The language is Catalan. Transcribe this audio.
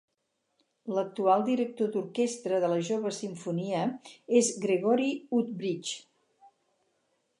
L'actual director d'orquestra de la Jove Simfonia és Gregory Woodbridge.